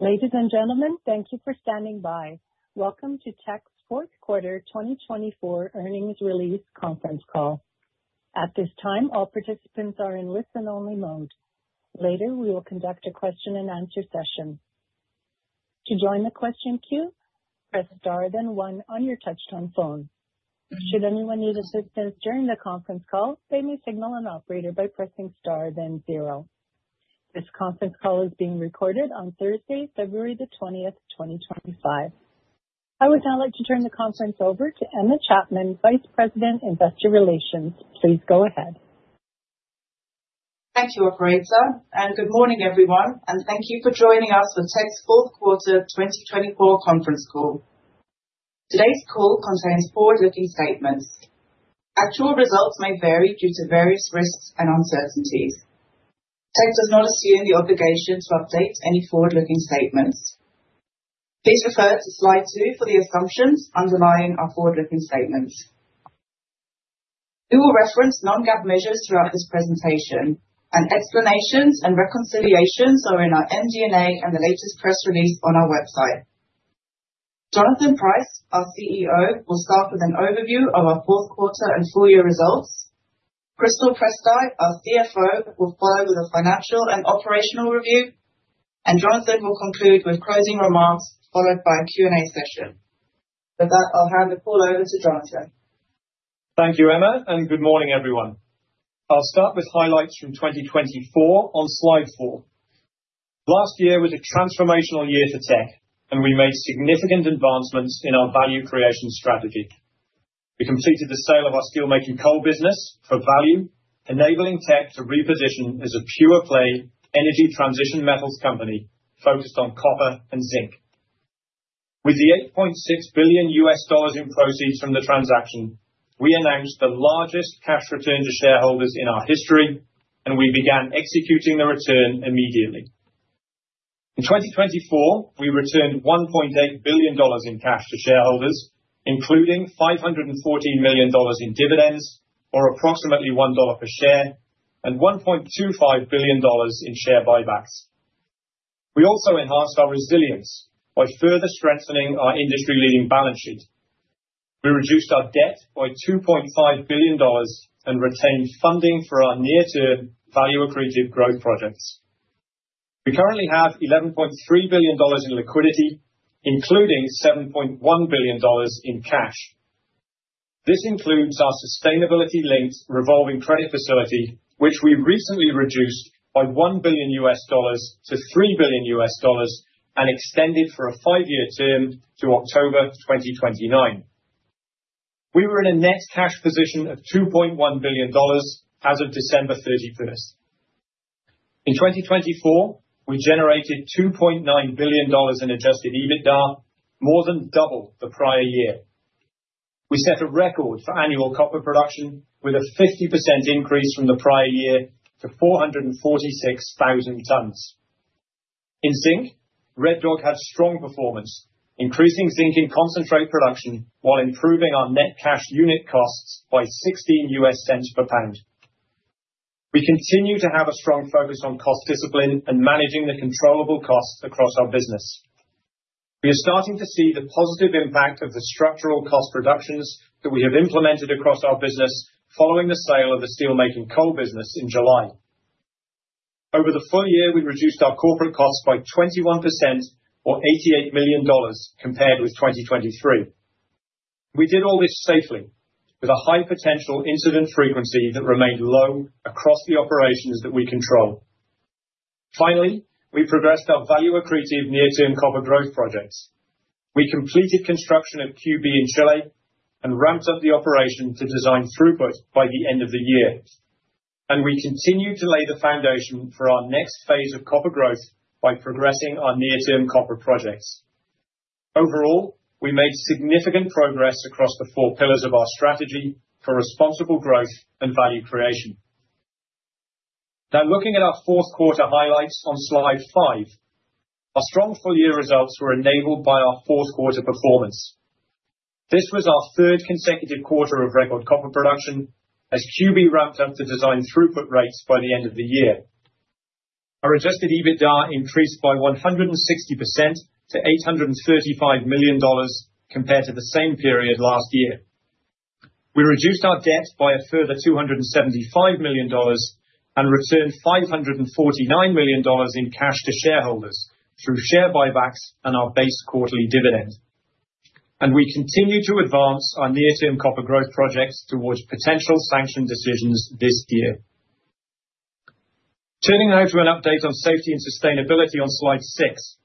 Ladies and gentlemen, thank you for standing by. Welcome to Teck's Fourth Quarter 2024 Earnings Release Conference Call. At this time, all participants are in listen-only mode. Later, we will conduct a question-and-answer session. To join the question queue, press star then one on your touch-tone phone. Should anyone need assistance during the conference call, they may signal an operator by pressing star then zero. This conference call is being recorded on Thursday, February the 20th, 2025. I would now like to turn the conference over to Emma Chapman, Vice President, Investor Relations. Please go ahead. Thank you, Operator, and good morning, everyone, and thank you for joining us for Teck's Fourth Quarter 2024 Conference Call. Today's call contains forward-looking statements. Actual results may vary due to various risks and uncertainties. Teck does not assume the obligation to update any forward-looking statements. Please refer to slide two for the assumptions underlying our forward-looking statements. We will reference non-GAAP measures throughout this presentation, and explanations and reconciliations are in our MD&A and the latest press release on our website. Jonathan Price, our CEO, will start with an overview of our fourth quarter and full year results. Crystal Prystai, our CFO, will follow with a financial and operational review, and Jonathan will conclude with closing remarks followed by a Q&A session. With that, I'll hand the call over to Jonathan. Thank you, Emma, and good morning, everyone. I'll start with highlights from 2024 on slide four. Last year was a transformational year for Teck, and we made significant advancements in our value creation strategy. We completed the sale of our steelmaking coal business for value, enabling Teck to reposition as a pure-play energy transition metals company focused on copper and zinc. With the $8.6 billion in proceeds from the transaction, we announced the largest cash return to shareholders in our history, and we began executing the return immediately. In 2024, we returned $1.8 billion in cash to shareholders, including $514 million in dividends, or approximately $1 per share, and $1.25 billion in share buybacks. We also enhanced our resilience by further strengthening our industry-leading balance sheet. We reduced our debt by $2.5 billion and retained funding for our near-term value-accretive growth projects. We currently have $11.3 billion in liquidity, including $7.1 billion in cash. This includes our sustainability-linked revolving credit facility, which we recently reduced by $1 billion to $3 billion and extended for a five-year term to October 2029. We were in a net cash position of $2.1 billion as of December 31. In 2024, we generated $2.9 billion in adjusted EBITDA, more than double the prior year. We set a record for annual copper production with a 50% increase from the prior year to 446,000 tons. In zinc, Red Dog had strong performance, increasing zinc in concentrate production while improving our net cash unit costs by $0.16 per pound. We continue to have a strong focus on cost discipline and managing the controllable costs across our business. We are starting to see the positive impact of the structural cost reductions that we have implemented across our business following the sale of the steelmaking coal business in July. Over the full year, we reduced our corporate costs by 21%, or $88 million, compared with 2023. We did all this safely, with a High Potential Incident Frequency that remained low across the operations that we control. Finally, we progressed our value-accretive near-term copper growth projects. We completed construction at QB in Chile and ramped up the operation to design throughput by the end of the year. We continue to lay the foundation for our next phase of copper growth by progressing our near-term copper projects. Overall, we made significant progress across the four pillars of our strategy for responsible growth and value creation. Now, looking at our fourth quarter highlights on slide five, our strong full year results were enabled by our fourth quarter performance. This was our third consecutive quarter of record copper production as QB ramped up the design throughput rates by the end of the year. Our Adjusted EBITDA increased by 160% to $835 million compared to the same period last year. We reduced our debt by a further $275 million and returned $549 million in cash to shareholders through share buybacks and our base quarterly dividend. We continue to advance our near-term copper growth projects towards potential sanction decisions this year. Turning now to an update on safety and sustainability on slide six,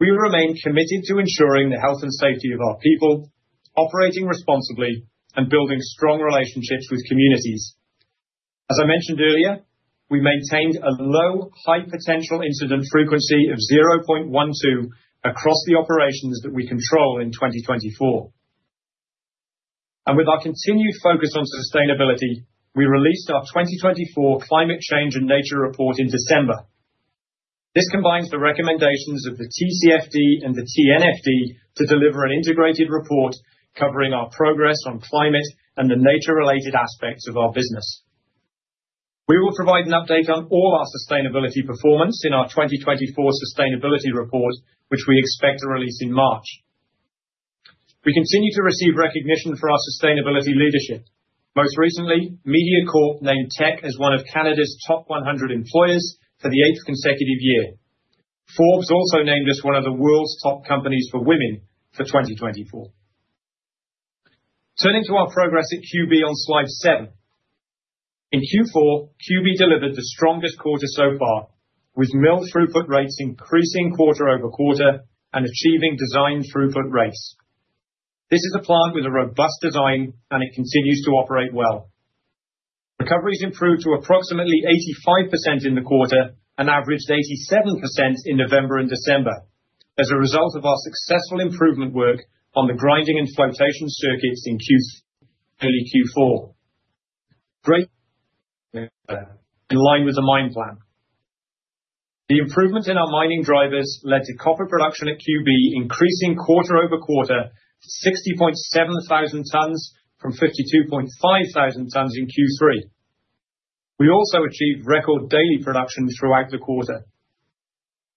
we remain committed to ensuring the health and safety of our people, operating responsibly, and building strong relationships with communities. As I mentioned earlier, we maintained a low high potential incident frequency of 0.12 across the operations that we control in 2024, and with our continued focus on sustainability, we released our 2024 Climate Change and Nature Report in December. This combines the recommendations of the TCFD and the TNFD to deliver an integrated report covering our progress on climate and the nature-related aspects of our business. We will provide an update on all our sustainability performance in our 2024 Sustainability Report, which we expect to release in March. We continue to receive recognition for our sustainability leadership. Most recently, Mediacorp named Teck as one of Canada's top 100 employers for the eighth consecutive year. Forbes also named us one of the world's top companies for women for 2024. Turning to our progress at QB on slide seven, in Q4, QB delivered the strongest quarter so far, with mill throughput rates increasing quarter over quarter and achieving design throughput rates. This is a plant with a robust design, and it continues to operate well. Recovery has improved to approximately 85% in the quarter and averaged 87% in November and December as a result of our successful improvement work on the grinding and flotation circuits in early Q4, in line with the mine plan. The improvement in our mining drivers led to copper production at QB increasing quarter over quarter to 60.7 thousand tons from 52.5 thousand tons in Q3. We also achieved record daily production throughout the quarter.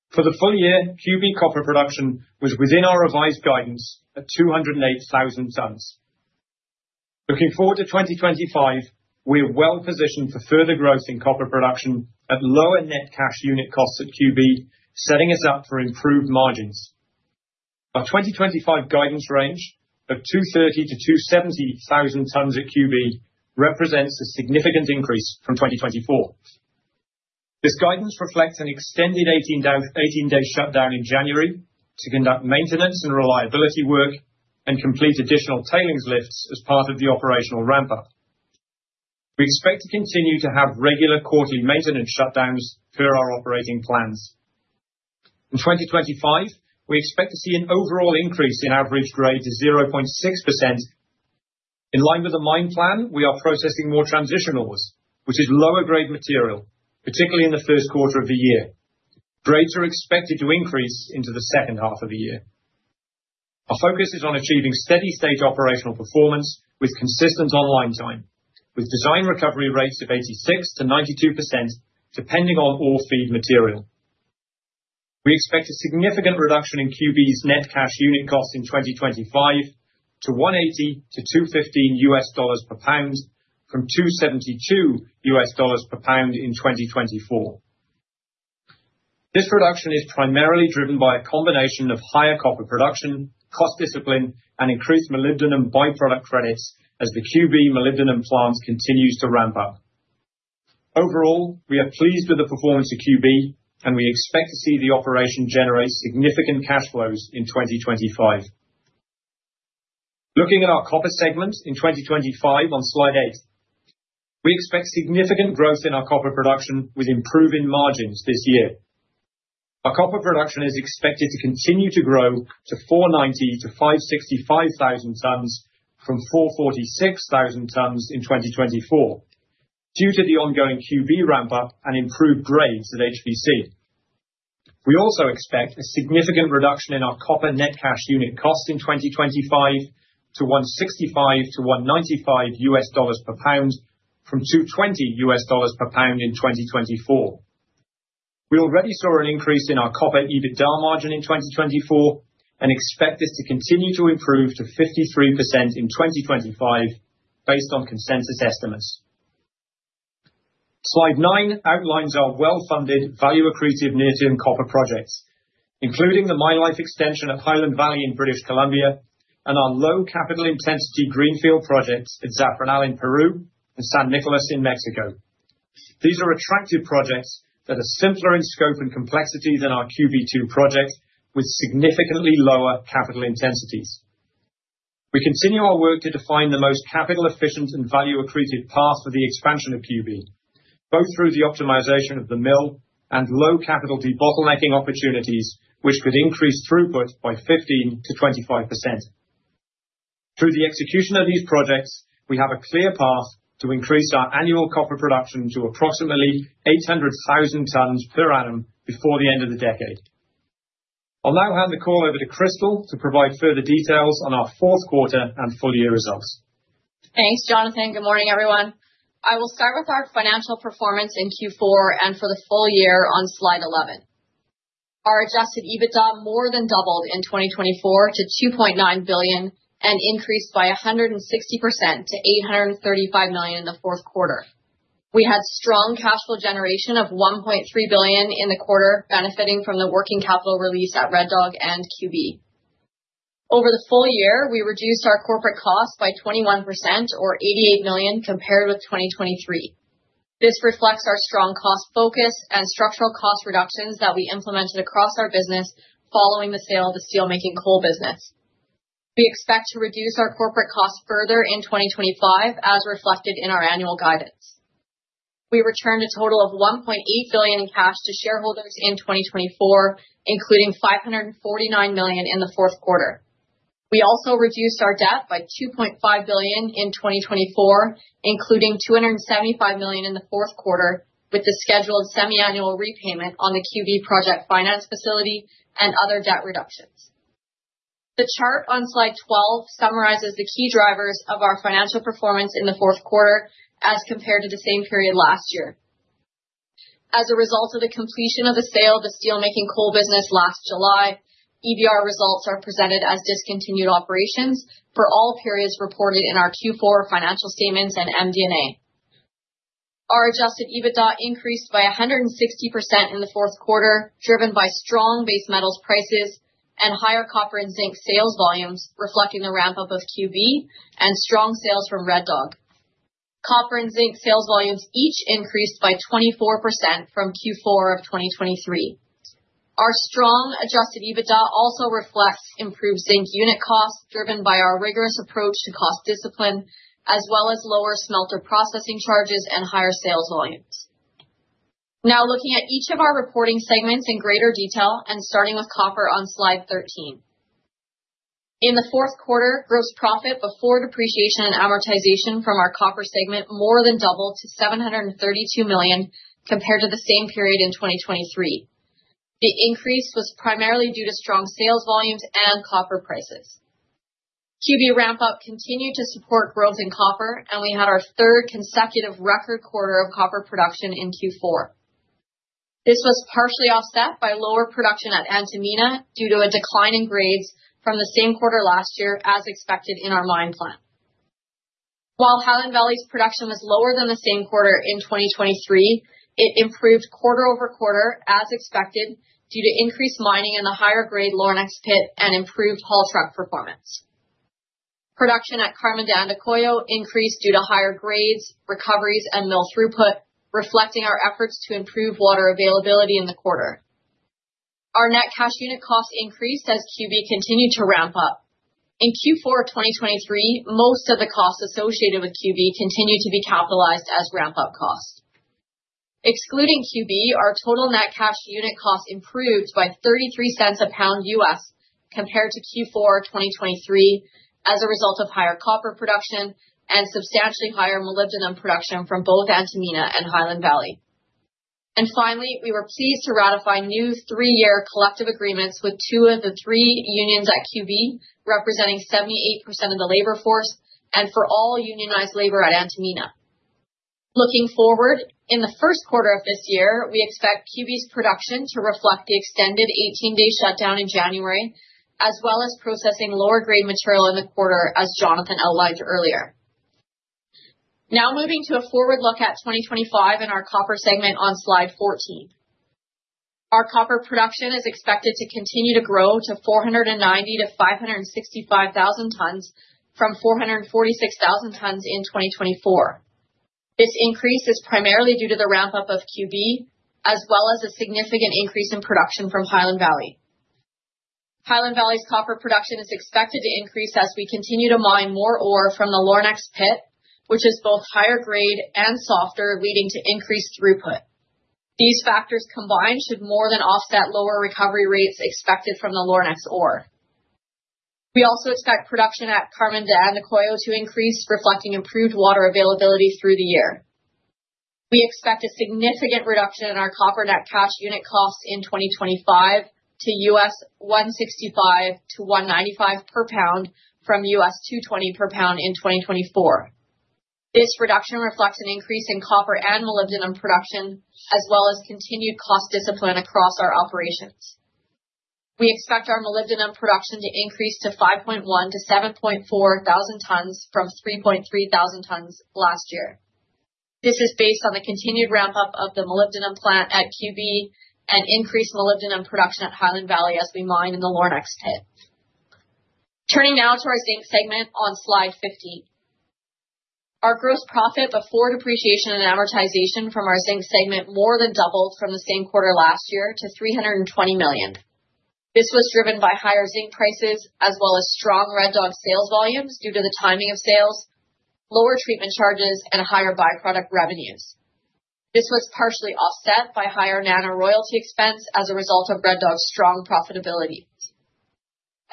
For the full year, QB copper production was within our revised guidance at 208,000 tons. Looking forward to 2025, we are well positioned for further growth in copper production at lower net cash unit costs at QB, setting us up for improved margins. Our 2025 guidance range of 230-270 thousand tons at QB represents a significant increase from 2024. This guidance reflects an extended 18-day shutdown in January to conduct maintenance and reliability work and complete additional tailings lifts as part of the operational ramp-up. We expect to continue to have regular quarterly maintenance shutdowns per our operating plans. In 2025, we expect to see an overall increase in average grade to 0.6%. In line with the mine plan, we are processing more transitional, which is lower grade material, particularly in the first quarter of the year. Grades are expected to increase into the second half of the year. Our focus is on achieving steady-state operational performance with consistent online time, with design recovery rates of 86% to 92% depending on ore feed material. We expect a significant reduction in QB's net cash unit costs in 2025 to $180 to $215 per pound from $272 per pound in 2024. This reduction is primarily driven by a combination of higher copper production, cost discipline, and increased molybdenum byproduct credits as the QB molybdenum plant continues to ramp up. Overall, we are pleased with the performance of QB, and we expect to see the operation generate significant cash flows in 2025. Looking at our copper segment in 2025 on slide eight, we expect significant growth in our copper production with improving margins this year. Our copper production is expected to continue to grow to 490 to 565 thousand tons from 446 thousand tons in 2024 due to the ongoing QB ramp-up and improved grades at HVC. We also expect a significant reduction in our copper net cash unit costs in 2025 to $165-$195 per pound from $220 per pound in 2024. We already saw an increase in our copper EBITDA margin in 2024 and expect this to continue to improve to 53% in 2025 based on consensus estimates. Slide nine outlines our well-funded value-accretive near-term copper projects, including the Mine Life Extension at Highland Valley in British Columbia and our low capital intensity greenfield projects at Zafranal in Peru and San Nicolás in Mexico. These are attractive projects that are simpler in scope and complexity than our QB2 project, with significantly lower capital intensities. We continue our work to define the most capital-efficient and value-accretive path for the expansion of QB, both through the optimization of the mill and low capital debottlenecking opportunities, which could increase throughput by 15%-25%. Through the execution of these projects, we have a clear path to increase our annual copper production to approximately 800,000 tons per annum before the end of the decade. I'll now hand the call over to Crystal to provide further details on our fourth quarter and full year results. Thanks, Jonathan. Good morning, everyone. I will start with our financial performance in Q4 and for the full year on slide 11. Our Adjusted EBITDA more than doubled in 2024 to $2.9 billion and increased by 160% to $835 million in the fourth quarter. We had strong cash flow generation of $1.3 billion in the quarter, benefiting from the working capital release at Red Dog and QB. Over the full year, we reduced our corporate costs by 21%, or $88 million, compared with 2023. This reflects our strong cost focus and structural cost reductions that we implemented across our business following the sale of the steelmaking coal business. We expect to reduce our corporate costs further in 2025, as reflected in our annual guidance. We returned a total of $1.8 billion in cash to shareholders in 2024, including $549 million in the fourth quarter. We also reduced our debt by $2.5 billion in 2024, including $275 million in the fourth quarter, with the scheduled semi-annual repayment on the QB project finance facility and other debt reductions. The chart on slide 12 summarizes the key drivers of our financial performance in the fourth quarter as compared to the same period last year. As a result of the completion of the sale of the steelmaking coal business last July, EVR results are presented as discontinued operations for all periods reported in our Q4 financial statements and MD&A. Our adjusted EBITDA increased by 160% in the fourth quarter, driven by strong base metals prices and higher copper and zinc sales volumes, reflecting the ramp-up of QB and strong sales from Red Dog. Copper and zinc sales volumes each increased by 24% from Q4 of 2023. Our strong adjusted EBITDA also reflects improved zinc unit costs driven by our rigorous approach to cost discipline, as well as lower smelter processing charges and higher sales volumes. Now, looking at each of our reporting segments in greater detail and starting with copper on slide 13. In the fourth quarter, gross profit before depreciation and amortization from our copper segment more than doubled to $732 million compared to the same period in 2023. The increase was primarily due to strong sales volumes and copper prices. QB ramp-up continued to support growth in copper, and we had our third consecutive record quarter of copper production in Q4. This was partially offset by lower production at Antamina due to a decline in grades from the same quarter last year, as expected in our mine plan. While Highland Valley's production was lower than the same quarter in 2023, it improved quarter over quarter, as expected, due to increased mining in the higher grade Lornex pit and improved haul truck performance. Production at Carmen de Andacollo increased due to higher grades, recoveries, and mill throughput, reflecting our efforts to improve water availability in the quarter. Our net cash unit cost increased as QB continued to ramp up. In Q4 of 2023, most of the costs associated with QB continued to be capitalized as ramp-up costs. Excluding QB, our total net cash unit cost improved by $0.33 per pound compared to Q4 of 2023 as a result of higher copper production and substantially higher molybdenum production from both Antamina and Highland Valley. Finally, we were pleased to ratify new three-year collective agreements with two of the three unions at QB representing 78% of the labor force and for all unionized labor at Antamina. Looking forward, in the first quarter of this year, we expect QB's production to reflect the extended 18-day shutdown in January, as well as processing lower grade material in the quarter, as Jonathan outlined earlier. Now, moving to a forward look at 2025 in our copper segment on slide 14. Our copper production is expected to continue to grow to 490-565 thousand tons from 446 thousand tons in 2024. This increase is primarily due to the ramp-up of QB, as well as a significant increase in production from Highland Valley. Highland Valley's copper production is expected to increase as we continue to mine more ore from the Lornex pit, which is both higher grade and softer, leading to increased throughput. These factors combined should more than offset lower recovery rates expected from the Lornex ore. We also expect production at Carmen de Andacollo to increase, reflecting improved water availability through the year. We expect a significant reduction in our copper net cash unit costs in 2025 to $165-$195 per pound from $220 per pound in 2024. This reduction reflects an increase in copper and molybdenum production, as well as continued cost discipline across our operations. We expect our molybdenum production to increase to 5.1-7.4 thousand tons from 3.3 thousand tons last year. This is based on the continued ramp-up of the molybdenum plant at QB and increased molybdenum production at Highland Valley as we mine in the Lornex pit. Turning now to our zinc segment on slide 15. Our gross profit before depreciation and amortization from our zinc segment more than doubled from the same quarter last year to $320 million. This was driven by higher zinc prices, as well as strong Red Dog sales volumes due to the timing of sales, lower treatment charges, and higher byproduct revenues. This was partially offset by higher NANA royalty expense as a result of Red Dog's strong profitability.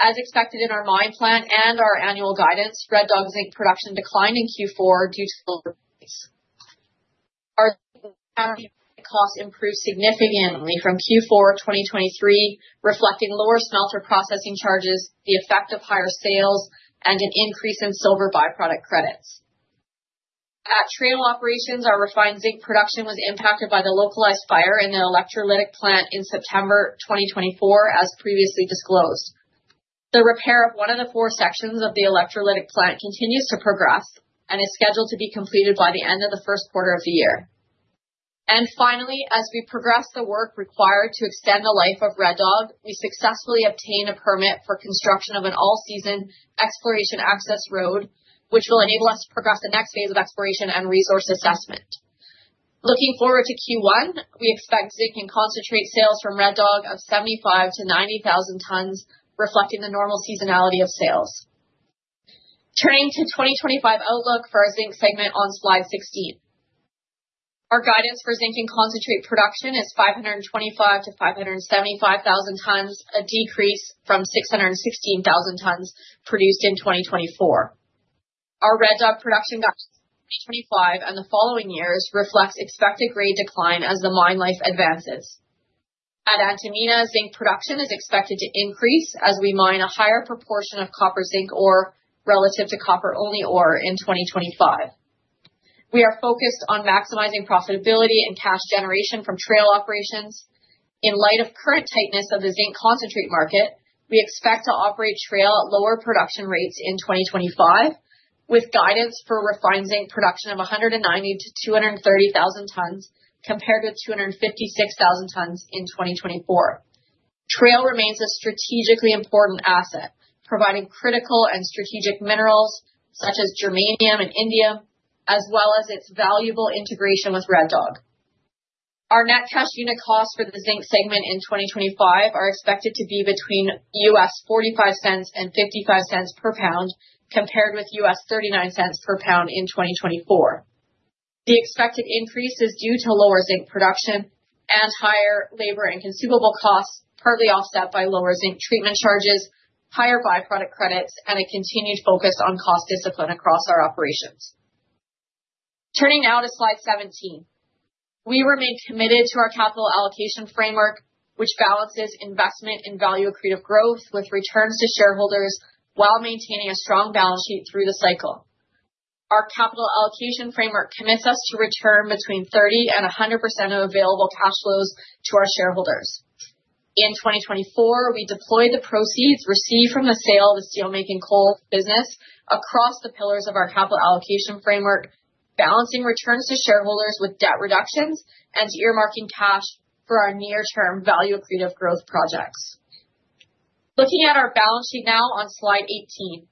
As expected in our mine plan and our annual guidance, Red Dog zinc production declined in Q4 due to lower grades. Our zinc unit cost improved significantly from Q4 2023, reflecting lower smelter processing charges, the effect of higher sales, and an increase in silver byproduct credits. At Trail Operations, our refined zinc production was impacted by the localized fire in the electrolytic plant in September 2024, as previously disclosed. The repair of one of the four sections of the electrolytic plant continues to progress and is scheduled to be completed by the end of the first quarter of the year. And finally, as we progress the work required to extend the life of Red Dog, we successfully obtained a permit for construction of an all-season exploration access road, which will enable us to progress the next phase of exploration and resource assessment. Looking forward to Q1, we expect zinc and concentrate sales from Red Dog of 75,000 to 90,000 tons, reflecting the normal seasonality of sales. Turning to 2025 outlook for our zinc segment on slide 16. Our guidance for zinc and concentrate production is 525,000-575,000 tons, a decrease from 616,000 tons produced in 2024. Our Red Dog production guidance for 2025 and the following years reflects expected grade decline as the mine life advances. At Antamina, zinc production is expected to increase as we mine a higher proportion of copper zinc ore relative to copper-only ore in 2025. We are focused on maximizing profitability and cash generation from Trail Operations. In light of current tightness of the zinc concentrate market, we expect to operate Trail at lower production rates in 2025, with guidance for refined zinc production of 190,000-230,000 tons compared with 256,000 tons in 2024. Trail remains a strategically important asset, providing critical and strategic minerals such as germanium and indium, as well as its valuable integration with Red Dog. Our net cash unit costs for the zinc segment in 2025 are expected to be between $0.45 and $0.55 per pound compared with $0.39 per pound in 2024. The expected increase is due to lower zinc production and higher labor and consumable costs, partly offset by lower zinc treatment charges, higher byproduct credits, and a continued focus on cost discipline across our operations. Turning now to slide 17. We remain committed to our capital allocation framework, which balances investment and value-accretive growth with returns to shareholders while maintaining a strong balance sheet through the cycle. Our capital allocation framework commits us to return between 30% and 100% of available cash flows to our shareholders. In 2024, we deployed the proceeds received from the sale of the steelmaking coal business across the pillars of our capital allocation framework, balancing returns to shareholders with debt reductions and earmarking cash for our near-term value-accretive growth projects. Looking at our balance sheet now on slide 18.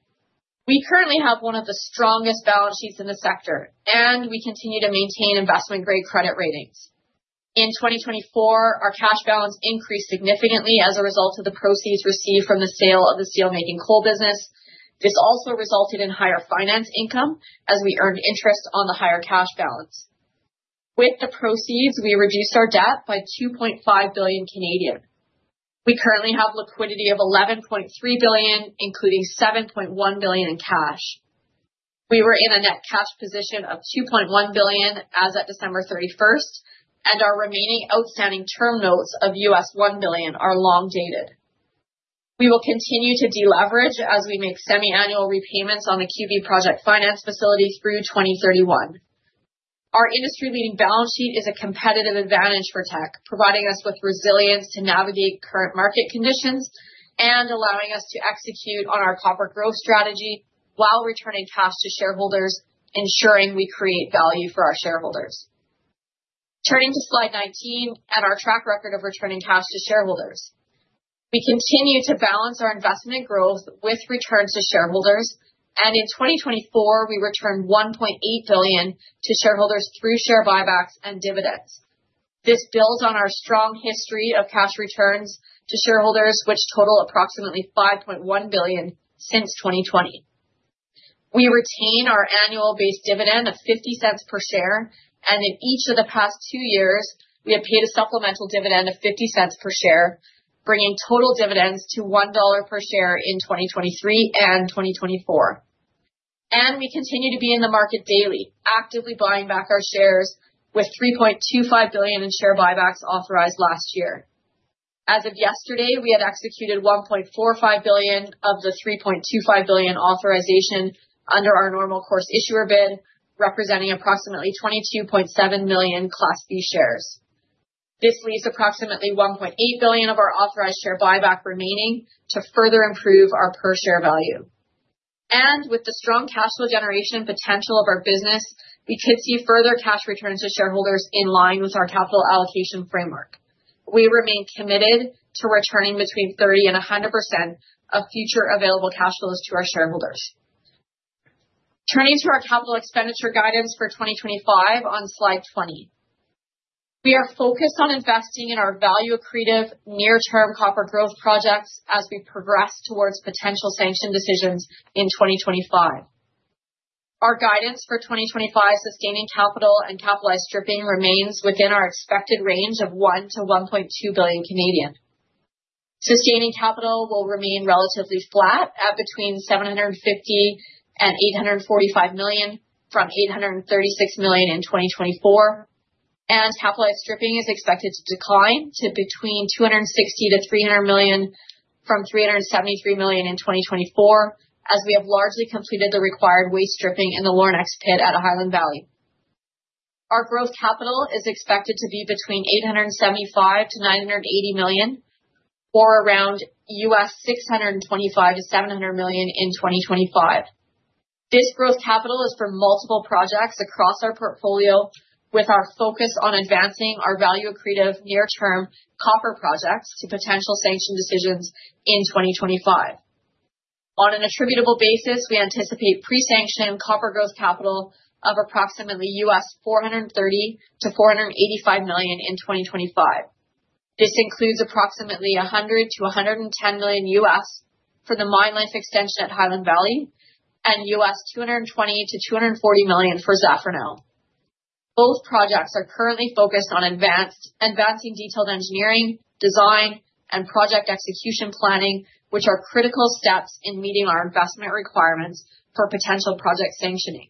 We currently have one of the strongest balance sheets in the sector, and we continue to maintain investment-grade credit ratings. In 2024, our cash balance increased significantly as a result of the proceeds received from the sale of the steelmaking coal business. This also resulted in higher finance income as we earned interest on the higher cash balance. With the proceeds, we reduced our debt by$2.5 billion. We currently have liquidity of $11.3 billion, including $7.1 billion in cash. We were in a net cash position of $2.1 billion as of December 31, and our remaining outstanding term notes of $1 billion are long-dated. We will continue to deleverage as we make semi-annual repayments on the QB project finance facility through 2031. Our industry-leading balance sheet is a competitive advantage for Teck, providing us with resilience to navigate current market conditions and allowing us to execute on our copper growth strategy while returning cash to shareholders, ensuring we create value for our shareholders. Turning to slide 19 and our track record of returning cash to shareholders. We continue to balance our investment growth with returns to shareholders, and in 2024, we returned $1.8 billion to shareholders through share buybacks and dividends. This builds on our strong history of cash returns to shareholders, which total approximately $5.1 billion since 2020. We retain our annual base dividend of $0.50 per share, and in each of the past two years, we have paid a supplemental dividend of $0.50 per share, bringing total dividends to $1 per share in 2023 and 2024, and we continue to be in the market daily, actively buying back our shares with $3.25 billion in share buybacks authorized last year. As of yesterday, we had executed $1.45 billion of the $3.25 billion authorization under our Normal Course Issuer Bid, representing approximately $22.7 million Class B shares. This leaves approximately $1.8 billion of our authorized share buyback remaining to further improve our per-share value, and with the strong cash flow generation potential of our business, we could see further cash returns to shareholders in line with our capital allocation framework. We remain committed to returning between 30% and 100% of future available cash flows to our shareholders. Turning to our capital expenditure guidance for 2025 on slide 20. We are focused on investing in our value-accretive near-term copper growth projects as we progress towards potential sanction decisions in 2025. Our guidance for 2025 sustaining capital and capitalized stripping remains within our expected range of $1 billion to $1.2 billion. Sustaining capital will remain relatively flat at between $750 million and $845 million from $836 million in 2024, and capitalized stripping is expected to decline to between $260 million to $300 million from $373 million in 2024, as we have largely completed the required waste stripping in the Lornex pit at Highland Valley. Our growth capital is expected to be between $875 million to $980 million or around $625 million to $700 million in 2025. This growth capital is for multiple projects across our portfolio, with our focus on advancing our value-accretive near-term copper projects to potential sanction decisions in 2025. On an attributable basis, we anticipate pre-sanctioned copper growth capital of approximately $430 to $485 million in 2025. This includes approximately $100-$110 million for the mine life extension at Highland Valley and $220 to $240 million for Zafranal. Both projects are currently focused on advancing detailed engineering, design, and project execution planning, which are critical steps in meeting our investment requirements for potential project sanctioning.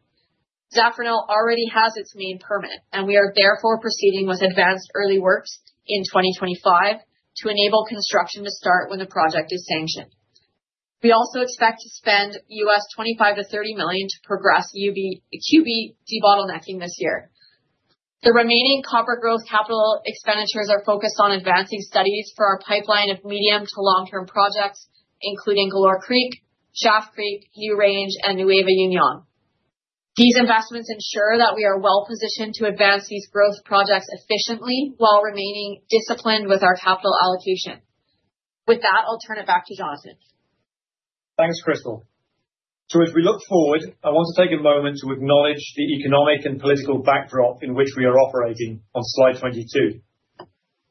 Zafranal already has its main permit, and we are therefore proceeding with advanced early works in 2025 to enable construction to start when the project is sanctioned. We also expect to spend $25-$30 million to progress QB debottlenecking this year. The remaining copper growth capital expenditures are focused on advancing studies for our pipeline of medium to long-term projects, including Galore Creek, Schaft Creek, NewRange, and NuevaUnión. These investments ensure that we are well-positioned to advance these growth projects efficiently while remaining disciplined with our capital allocation. With that, I'll turn it back to Jonathan. Thanks, Crystal. So as we look forward, I want to take a moment to acknowledge the economic and political backdrop in which we are operating on slide 22.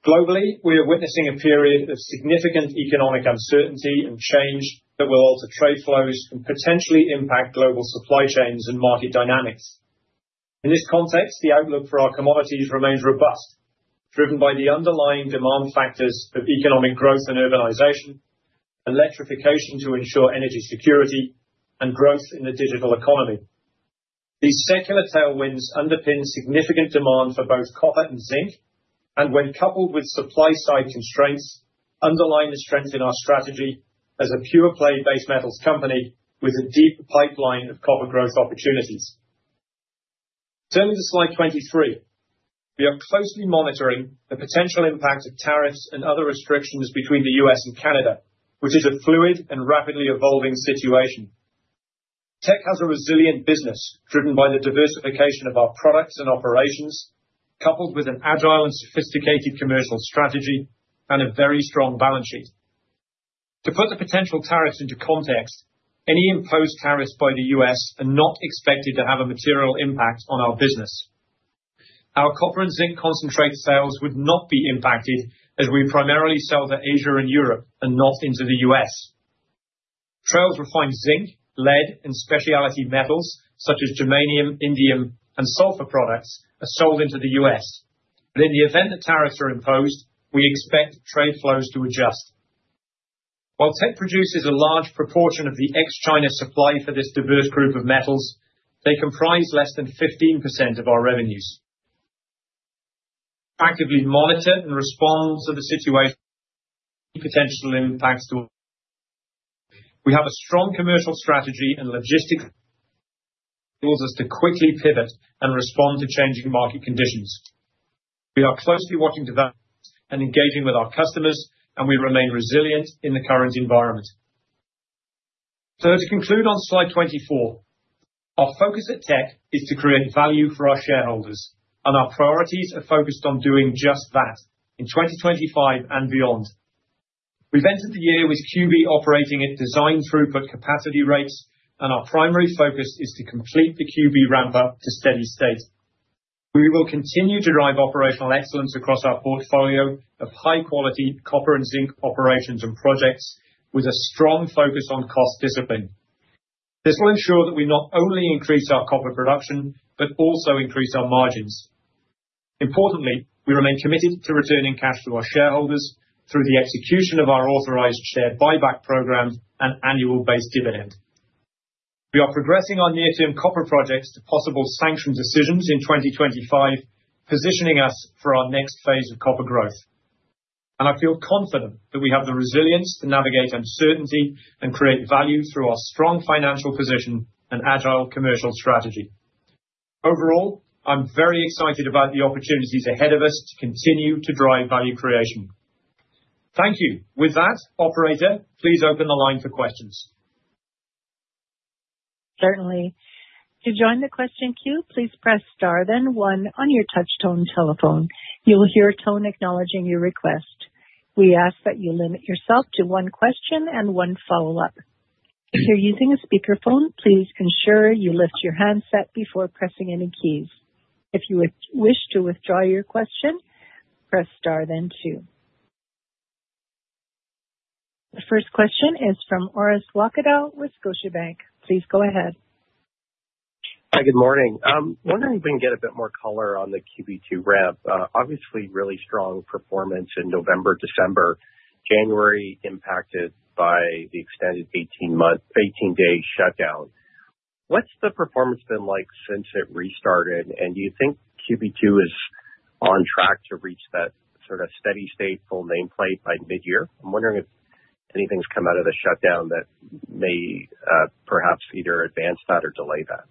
Globally, we are witnessing a period of significant economic uncertainty and change that will alter trade flows and potentially impact global supply chains and market dynamics. In this context, the outlook for our commodities remains robust, driven by the underlying demand factors of economic growth and urbanization, electrification to ensure energy security, and growth in the digital economy. These secular tailwinds underpin significant demand for both copper and zinc, and when coupled with supply-side constraints, underline the strength in our strategy as a pure-play base metals company with a deep pipeline of copper growth opportunities. Turning to slide 23, we are closely monitoring the potential impact of tariffs and other restrictions between the U.S. and Canada, which is a fluid and rapidly evolving situation. Teck has a resilient business driven by the diversification of our products and operations, coupled with an agile and sophisticated commercial strategy and a very strong balance sheet. To put the potential tariffs into context, any imposed tariffs by the U.S. are not expected to have a material impact on our business. Our copper and zinc concentrate sales would not be impacted as we primarily sell to Asia and Europe and not into the U.S. Trail's refined zinc, lead, and specialty metals such as germanium, indium, and sulfur products are sold into the U.S. But in the event that tariffs are imposed, we expect trade flows to adjust. While Teck produces a large proportion of the ex-China supply for this diverse group of metals, they comprise less than 15% of our revenues. We actively monitor and respond to the situation and potential impacts to our business. We have a strong commercial strategy and logistics that enables us to quickly pivot and respond to changing market conditions. We are closely watching developments and engaging with our customers, and we remain resilient in the current environment. So to conclude on slide 24, our focus at Teck is to create value for our shareholders, and our priorities are focused on doing just that in 2025 and beyond. We've entered the year with QB operating at design throughput capacity rates, and our primary focus is to complete the QB ramp-up to steady state. We will continue to drive operational excellence across our portfolio of high-quality copper and zinc operations and projects with a strong focus on cost discipline. This will ensure that we not only increase our copper production but also increase our margins. Importantly, we remain committed to returning cash to our shareholders through the execution of our authorized share buyback program and annual base dividend. We are progressing our near-term copper projects to possible sanction decisions in 2025, positioning us for our next phase of copper growth. I feel confident that we have the resilience to navigate uncertainty and create value through our strong financial position and agile commercial strategy. Overall, I'm very excited about the opportunities ahead of us to continue to drive value creation. Thank you. With that, Operator, please open the line for questions. Certainly. To join the question queue, please press star then one on your touch-tone telephone. You will hear a tone acknowledging your request. We ask that you limit yourself to one question and one follow-up. If you're using a speakerphone, please ensure you lift your handset before pressing any keys. If you wish to withdraw your question, press star then two. The first question is from Orest Wowkodaw with Scotiabank. Please go ahead. Hi, good morning. I'm wondering if we can get a bit more color on the QB2 ramp. Obviously, really strong performance in November, December, January impacted by the extended 18-day shutdown. What's the performance been like since it restarted, and do you think QB2 is on track to reach that sort of steady state full nameplate by midyear? I'm wondering if anything's come out of the shutdown that may perhaps either advance that or delay that.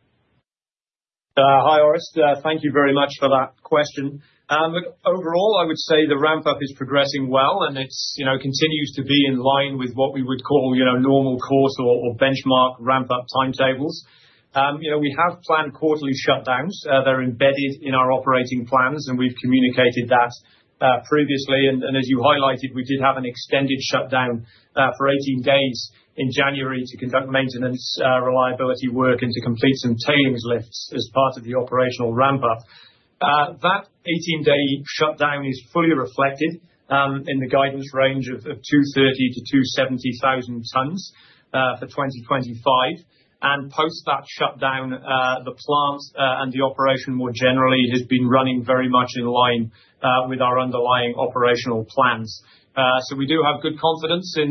Hi, Orest. Thank you very much for that question. Overall, I would say the ramp-up is progressing well, and it continues to be in line with what we would call normal course or benchmark ramp-up timetables. We have planned quarterly shutdowns. They're embedded in our operating plans, and we've communicated that previously. And as you highlighted, we did have an extended shutdown for 18 days in January to conduct maintenance reliability work and to complete some tailings lifts as part of the operational ramp-up. That 18-day shutdown is fully reflected in the guidance range of 230,000 to 270,000 tons for 2025. And post that shutdown, the plant and the operation more generally have been running very much in line with our underlying operational plans. So we do have good confidence in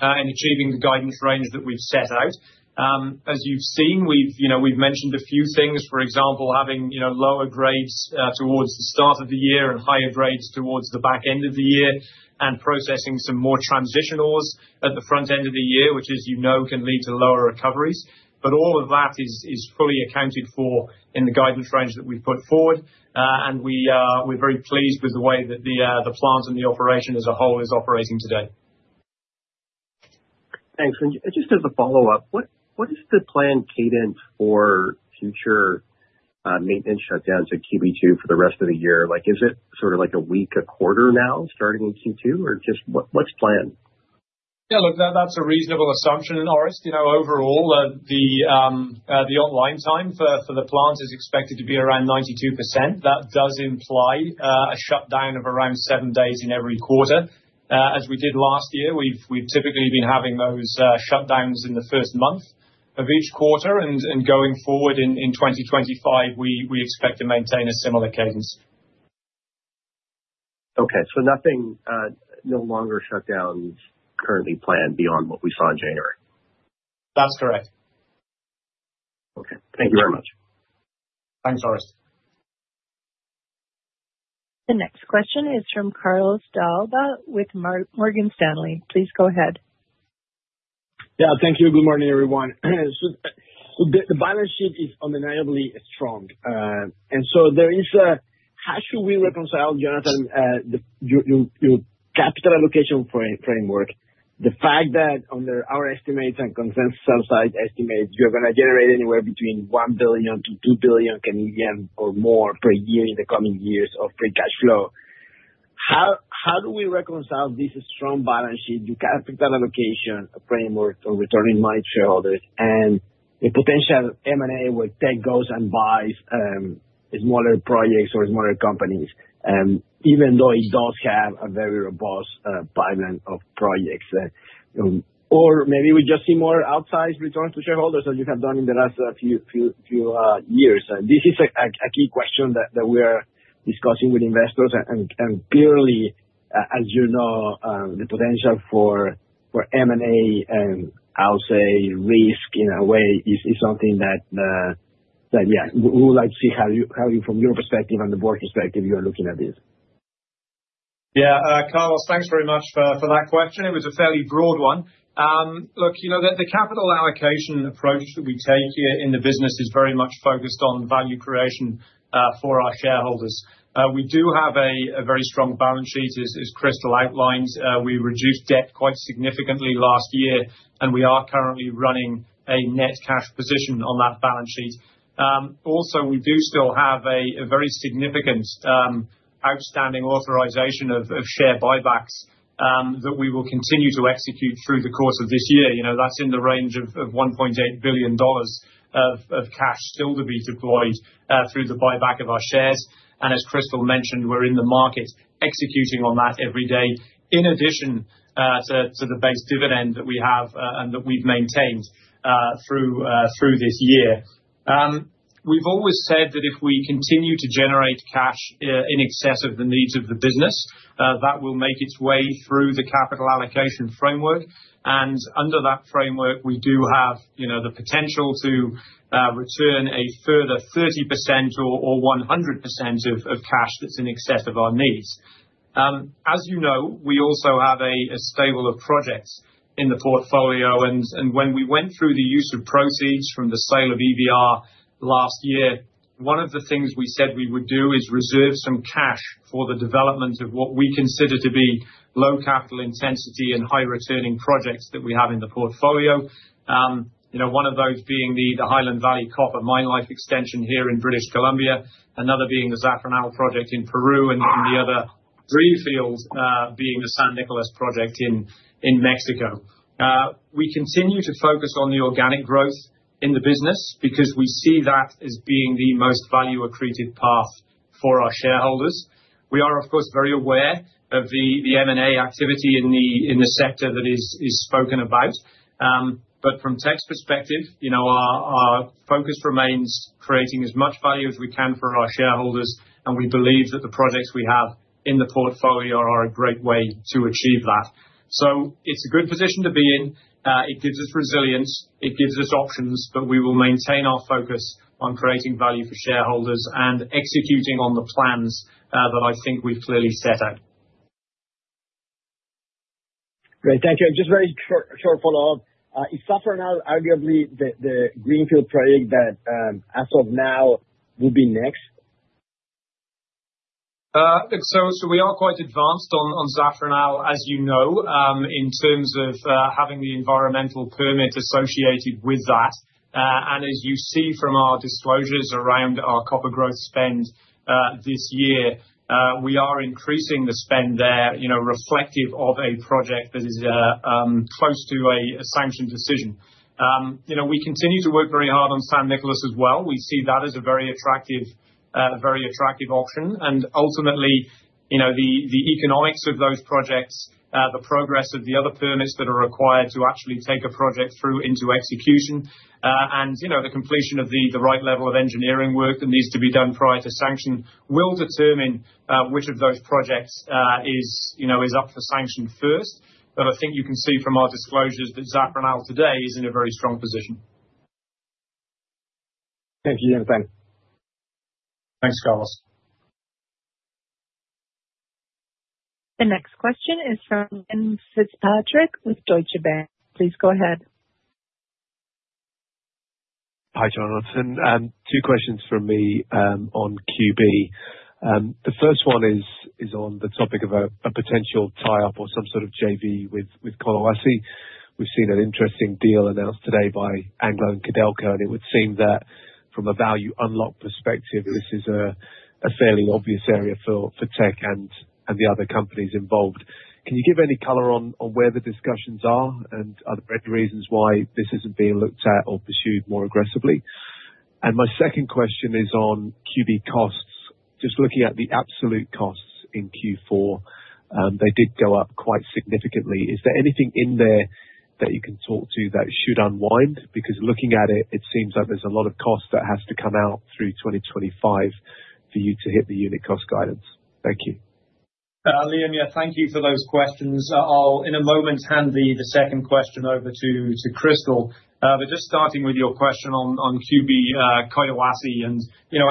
achieving the guidance range that we've set out. As you've seen, we've mentioned a few things, for example, having lower grades towards the start of the year and higher grades towards the back end of the year, and processing some more transitional at the front end of the year, which, as you know, can lead to lower recoveries. But all of that is fully accounted for in the guidance range that we've put forward, and we're very pleased with the way that the plant and the operation as a whole is operating today. Thanks. And just as a follow-up, what is the planned cadence for future maintenance shutdowns at QB2 for the rest of the year? Is it sort of like a week, a quarter now starting in Q2, or just what's planned? Yeah, look, that's a reasonable assumption, Orest. Overall, the online time for the plant is expected to be around 92%. That does imply a shutdown of around seven days in every quarter, as we did last year. We've typically been having those shutdowns in the first month of each quarter, and going forward in 2025, we expect to maintain a similar cadence. Okay. So no longer shutdowns currently planned beyond what we saw in January? That's correct. Okay. Thank you very much. Thanks, Orest. The next question is from Carlos de Alba with Morgan Stanley. Please go ahead. Yeah, thank you. Good morning, everyone. The balance sheet is undeniably strong, and so there is a, how should we reconcile, Jonathan, your capital allocation framework? The fact that under our estimates and consensus outside estimates, you're going to generate anywhere between $1 billion to $2 billion or more per year in the coming years of free cash flow. How do we reconcile this strong balance sheet, your capital allocation, a framework for returning money to shareholders, and the potential M&A where Teck goes and buys smaller projects or smaller companies, even though it does have a very robust pipeline of projects? Or maybe we just see more outsized returns to shareholders than you have done in the last few years. This is a key question that we are discussing with investors. Clearly, as you know, the potential for M&A and outsized risk in a way is something that, yeah, we would like to see how you, from your perspective and the board perspective, you are looking at this. Yeah, Carlos, thanks very much for that question. It was a fairly broad one. Look, the capital allocation approach that we take here in the business is very much focused on value creation for our shareholders. We do have a very strong balance sheet, as Crystal outlined. We reduced debt quite significantly last year, and we are currently running a net cash position on that balance sheet. Also, we do still have a very significant outstanding authorization of share buybacks that we will continue to execute through the course of this year. That's in the range of $1.8 billion of cash still to be deployed through the buyback of our shares. And as Crystal mentioned, we're in the market executing on that every day in addition to the base dividend that we have and that we've maintained through this year. We've always said that if we continue to generate cash in excess of the needs of the business, that will make its way through the capital allocation framework, and under that framework, we do have the potential to return a further 30% or 100% of cash that's in excess of our needs. As you know, we also have a stable of projects in the portfolio, and when we went through the use of proceeds from the sale of EVR last year, one of the things we said we would do is reserve some cash for the development of what we consider to be low capital intensity and high returning projects that we have in the portfolio. One of those being the Highland Valley Copper Mine Life Extension here in British Columbia, another being the Zafranal project in Peru, and the other being the San Nicolás project in Mexico. We continue to focus on the organic growth in the business because we see that as being the most value-accretive path for our shareholders. We are, of course, very aware of the M&A activity in the sector that is spoken about. But from Teck's perspective, our focus remains creating as much value as we can for our shareholders, and we believe that the projects we have in the portfolio are a great way to achieve that. So it's a good position to be in. It gives us resilience. It gives us options, but we will maintain our focus on creating value for shareholders and executing on the plans that I think we've clearly set out. Great. Thank you. Just a very short follow-up. Is Zafranal arguably the greenfield project that, as of now, will be next? Look, so we are quite advanced on Zafranal, as you know, in terms of having the environmental permit associated with that. And as you see from our disclosures around our copper growth spend this year, we are increasing the spend there, reflective of a project that is close to a sanction decision. We continue to work very hard on San Nicolás as well. We see that as a very attractive option. And ultimately, the economics of those projects, the progress of the other permits that are required to actually take a project through into execution, and the completion of the right level of engineering work that needs to be done prior to sanction will determine which of those projects is up for sanction first. But I think you can see from our disclosures that Zafranal today is in a very strong position. Thank you, Jonathan. Thanks, Carlos. The next question is from Liam Fitzpatrick with Deutsche Bank. Please go ahead. Hi, Jonathan. Two questions from me on QB. The first one is on the topic of a potential tie-up or some sort of JV with Codelco. I see we've seen an interesting deal announced today by Anglo and Codelco, and it would seem that from a value unlock perspective, this is a fairly obvious area for Teck and the other companies involved. Can you give any color on where the discussions are and are there any reasons why this isn't being looked at or pursued more aggressively? And my second question is on QB costs. Just looking at the absolute costs in Q4, they did go up quite significantly. Is there anything in there that you can talk to that should unwind? Because looking at it, it seems like there's a lot of cost that has to come out through 2025 for you to hit the unit cost guidance. Thank you. Liam, yeah, thank you for those questions. I'll, in a moment, hand the second question over to Crystal. But just starting with your question on QB Collahuasi, and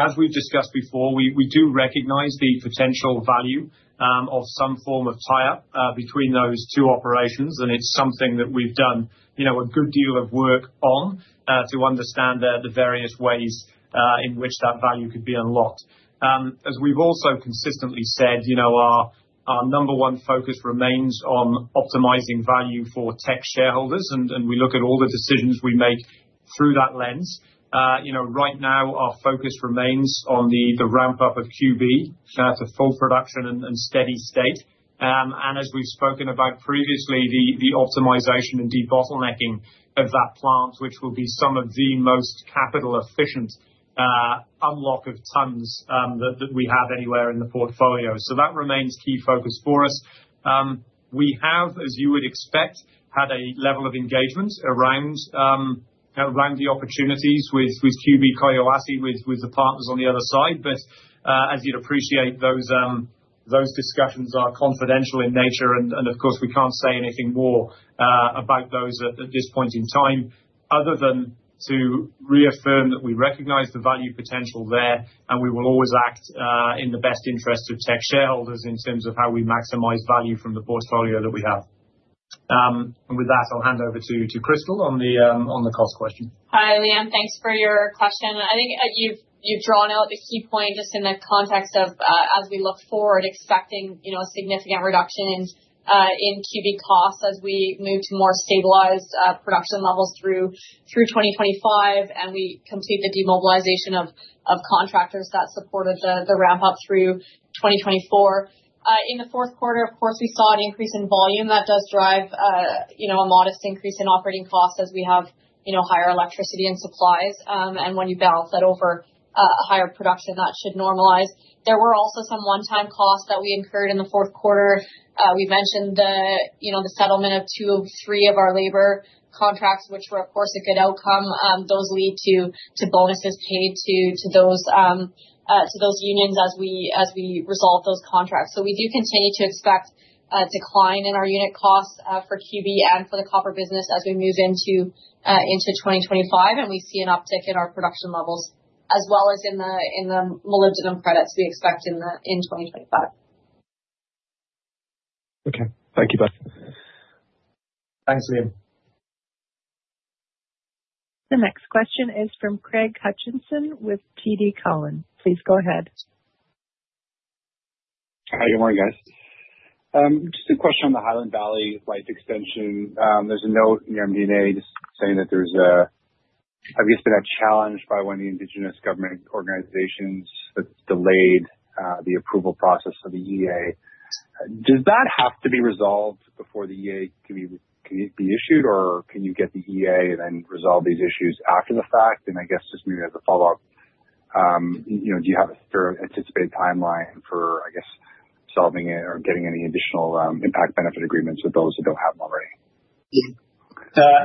as we've discussed before, we do recognize the potential value of some form of tie-up between those two operations, and it's something that we've done a good deal of work on to understand the various ways in which that value could be unlocked. As we've also consistently said, our number one focus remains on optimizing value for Teck shareholders, and we look at all the decisions we make through that lens. Right now, our focus remains on the ramp-up of QB to full production and steady state. And as we've spoken about previously, the optimization and debottlenecking of that plant, which will be some of the most capital-efficient unlock of tons that we have anywhere in the portfolio. So that remains key focus for us. We have, as you would expect, had a level of engagement around the opportunities with QB Collahuasi, with the partners on the other side. But as you'd appreciate, those discussions are confidential in nature, and of course, we can't say anything more about those at this point in time other than to reaffirm that we recognize the value potential there, and we will always act in the best interests of Teck shareholders in terms of how we maximize value from the portfolio that we have. And with that, I'll hand over to Crystal on the cost question. Hi, Liam. Thanks for your question. I think you've drawn out the key point just in the context of, as we look forward, expecting a significant reduction in QB costs as we move to more stabilized production levels through 2025, and we complete the demobilization of contractors that supported the ramp-up through 2024. In the fourth quarter, of course, we saw an increase in volume. That does drive a modest increase in operating costs as we have higher electricity and supplies, and when you balance that over a higher production, that should normalize. There were also some one-time costs that we incurred in the fourth quarter. We mentioned the settlement of two of three of our labor contracts, which were, of course, a good outcome. Those lead to bonuses paid to those unions as we resolve those contracts. So we do continue to expect a decline in our unit costs for QB and for the copper business as we move into 2025, and we see an uptick in our production levels as well as in the molybdenum credits we expect in 2025. Okay. Thank you both. Thanks, Liam. The next question is from Craig Hutchison with TD Cowen. Please go ahead. Hi, good morning, guys. Just a question on the Highland Valley Mine Life Extension. There's a note in your MD&A just saying that there's, I guess, been a challenge by one of the Indigenous government organizations that's delayed the approval process for the EA. Does that have to be resolved before the EA can be issued, or can you get the EA and then resolve these issues after the fact? And I guess just maybe as a follow-up, do you have a sort of anticipated timeline for, I guess, solving it or getting any additional impact benefit agreements with those that don't have them already? Yeah.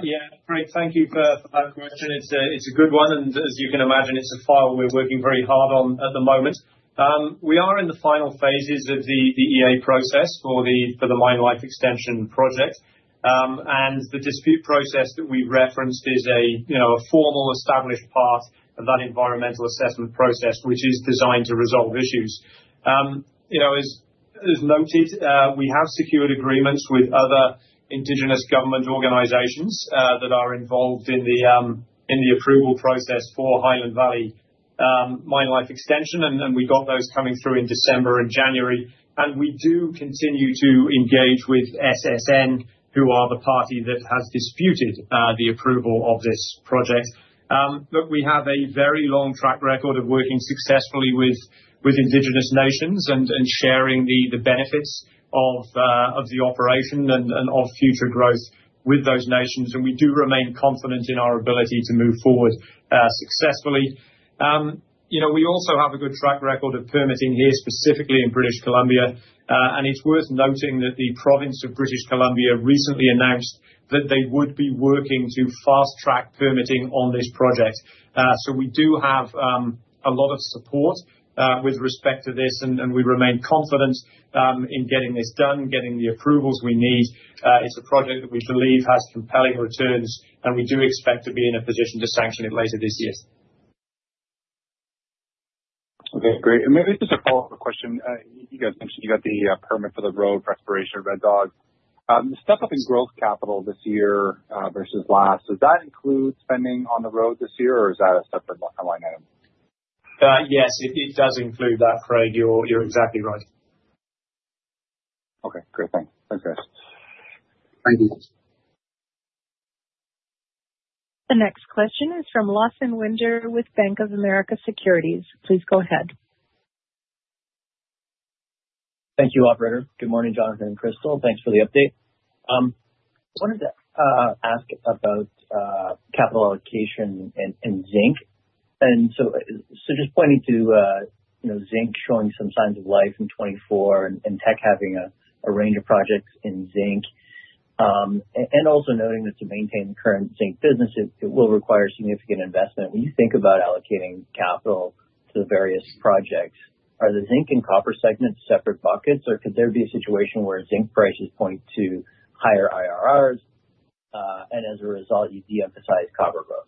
Yeah. Great. Thank you for that question. It's a good one. And as you can imagine, it's a file we're working very hard on at the moment. We are in the final phases of the EA process for the Mine Life Extension project. And the dispute process that we've referenced is a formal established part of that environmental assessment process, which is designed to resolve issues. As noted, we have secured agreements with other Indigenous government organizations that are involved in the approval process for Highland Valley Mine Life Extension, and we got those coming through in December and January. And we do continue to engage with SSN, who are the party that has disputed the approval of this project. Look, we have a very long track record of working successfully with indigenous nations and sharing the benefits of the operation and of future growth with those nations. And we do remain confident in our ability to move forward successfully. We also have a good track record of permitting here, specifically in British Columbia. And it's worth noting that the province of British Columbia recently announced that they would be working to fast-track permitting on this project. So we do have a lot of support with respect to this, and we remain confident in getting this done, getting the approvals we need. It's a project that we believe has compelling returns, and we do expect to be in a position to sanction it later this year. Okay. Great. Maybe just a follow-up question. You guys mentioned you got the permit for the road restoration of Red Dog. The step-up in growth capital this year versus last, does that include spending on the road this year, or is that a separate line item? Yes, it does include that, Craig. You're exactly right. Okay. Great. Thanks. Thanks, guys. Thank you. The next question is from Lawson Winder with Bank of America Securities. Please go ahead. Thank you, Operator. Good morning, Jonathan and Crystal. Thanks for the update. I wanted to ask about capital allocation in zinc. And so just pointing to zinc showing some signs of life in 2024 and Teck having a range of projects in zinc, and also noting that to maintain the current zinc business, it will require significant investment. When you think about allocating capital to the various projects, are the zinc and copper segments separate buckets, or could there be a situation where zinc prices point to higher IRRs, and as a result, you de-emphasize copper growth?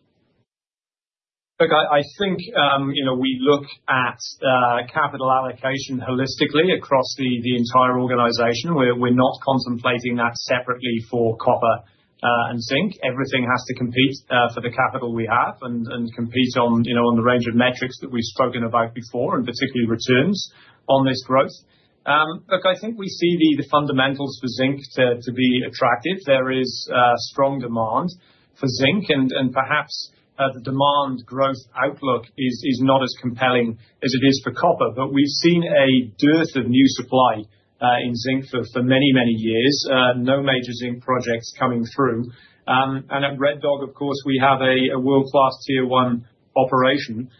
Look, I think we look at capital allocation holistically across the entire organization. We're not contemplating that separately for copper and zinc. Everything has to compete for the capital we have and compete on the range of metrics that we've spoken about before, and particularly returns on this growth. Look, I think we see the fundamentals for zinc to be attractive. There is strong demand for zinc, and perhaps the demand growth outlook is not as compelling as it is for copper. But we've seen a dearth of new supply in zinc for many, many years. No major zinc projects coming through. At Red Dog, of course, we have a world-class tier-one operation.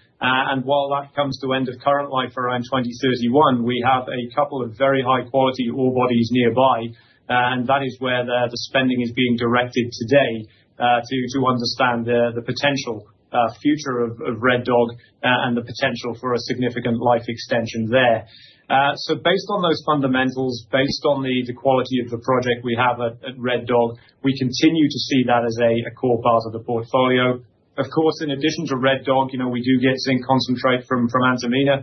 While that comes to end of current life around 2031, we have a couple of very high-quality ore bodies nearby, and that is where the spending is being directed today to understand the potential future of Red Dog and the potential for a significant life extension there. Based on those fundamentals, based on the quality of the project we have at Red Dog, we continue to see that as a core part of the portfolio. Of course, in addition to Red Dog, we do get zinc concentrate from Antamina.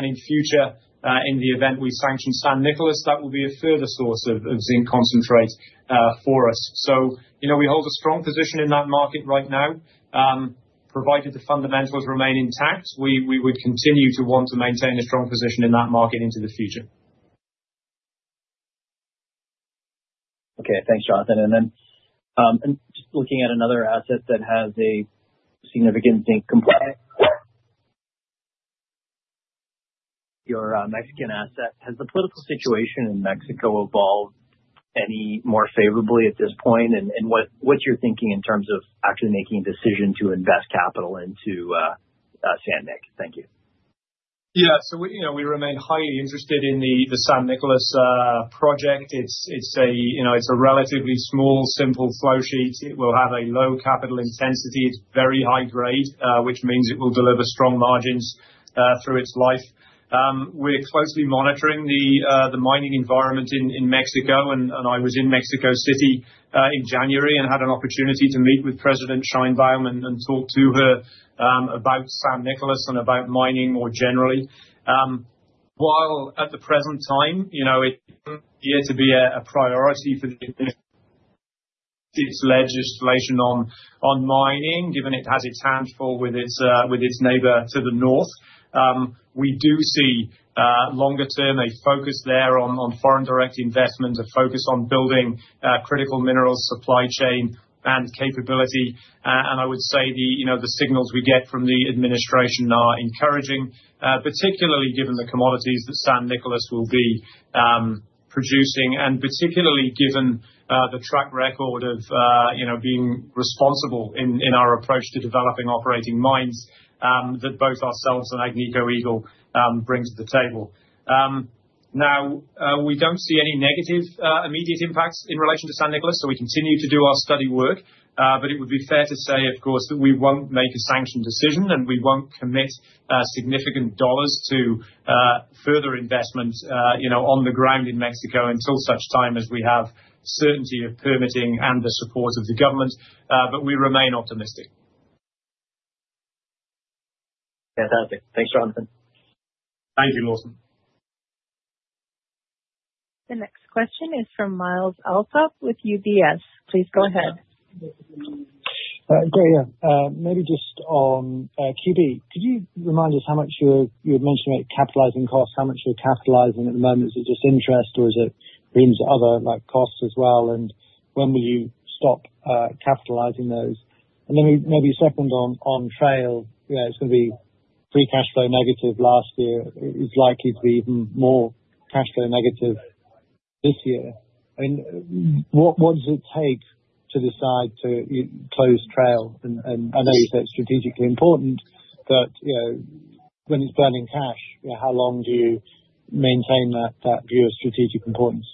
In future, in the event we sanction San Nicolás, that will be a further source of zinc concentrate for us. We hold a strong position in that market right now. Provided the fundamentals remain intact, we would continue to want to maintain a strong position in that market into the future. Okay. Thanks, Jonathan. And then just looking at another asset that has a significant zinc component, your Mexican asset, has the political situation in Mexico evolved any more favorably at this point? And what's your thinking in terms of actually making a decision to invest capital into San Nicolás? Thank you. Yeah. So we remain highly interested in the San Nicolás project. It's a relatively small, simple flowsheet. It will have a low capital intensity. It's very high-grade, which means it will deliver strong margins through its life. We're closely monitoring the mining environment in Mexico, and I was in Mexico City in January and had an opportunity to meet with President Sheinbaum and talk to her about San Nicolás and about mining more generally. While at the present time, it appears to be a priority for its legislation on mining, given it has its handful with its neighbor to the north, we do see longer-term a focus there on foreign direct investment, a focus on building critical mineral supply chain and capability. And I would say the signals we get from the administration are encouraging, particularly given the commodities that San Nicolás will be producing, and particularly given the track record of being responsible in our approach to developing operating mines that both ourselves and Agnico Eagle bring to the table. Now, we don't see any negative immediate impacts in relation to San Nicolás, so we continue to do our study work. But it would be fair to say, of course, that we won't make a sanctioned decision, and we won't commit significant dollars to further investment on the ground in Mexico until such time as we have certainty of permitting and the support of the government. But we remain optimistic. Fantastic. Thanks, Jonathan. Thank you, Lawson. The next question is from Myles Allsop with UBS. Please go ahead. Great. Yeah. Maybe just on QB, could you remind us how much you had mentioned about capitalizing costs? How much are you capitalizing at the moment? Is it just interest, or is it other costs as well? And when will you stop capitalizing those? And then maybe second on Trail, it's going to be free cash flow negative last year. It's likely to be even more cash flow negative this year. I mean, what does it take to decide to close Trail? I know you said it's strategically important, but when it's burning cash, how long do you maintain that view of strategic importance?